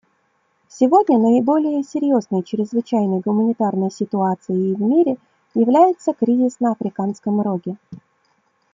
Сегодня наиболее серьезной чрезвычайной гуманитарной ситуацией в мире является кризис на Африканском Роге.